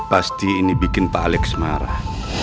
pasti ini bikin pak alex marah